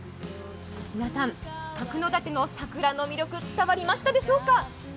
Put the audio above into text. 皆さん、角館の桜の魅力、伝わりましたでしょうか。